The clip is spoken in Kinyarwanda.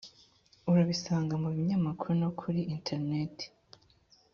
urabisanga mu binyamakuru no kuri interineti